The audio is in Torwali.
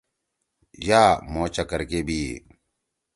یا مھو چکر کے بیِئی۔